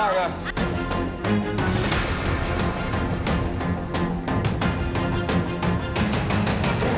สวัสดีครับ